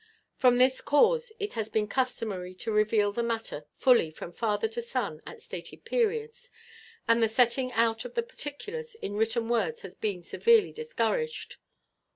From this cause it has been customary to reveal the matter fully from father to son, at stated periods, and the setting out of the particulars in written words has been severely discouraged.